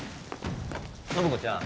暢子ちゃん